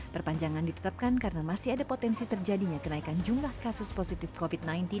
perpanjangan ditetapkan karena masih ada potensi terjadinya kenaikan jumlah kasus positif covid sembilan belas